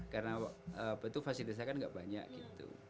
karena waktu itu fasilitasnya kan gak banyak gitu